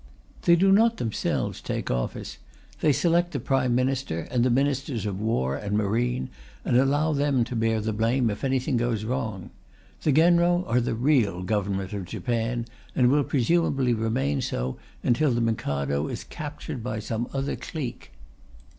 They do not themselves take office; they select the Prime Minister and the Ministers of War and Marine, and allow them to bear the blame if anything goes wrong. The Genro are the real Government of Japan, and will presumably remain so until the Mikado is captured by some other clique.